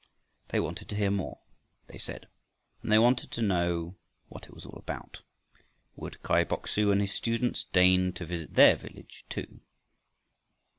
They wanted to hear more, they said, and they wanted to know what it was all about. Would Kai Bok su and his students deign to visit their village too?